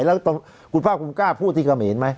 แล้วคุณภาคภูมิกล้าพูดที่เขมรไหม